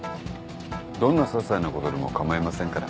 どんなささいなことでも構いませんから。